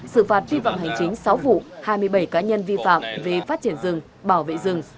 xử phạt vi phạm hành chính sáu vụ hai mươi bảy cá nhân vi phạm về phát triển rừng bảo vệ rừng